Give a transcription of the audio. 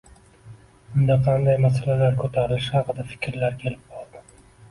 unda qanday masalalar ko‘tarilishi haqida fikrlar kelib qoldi.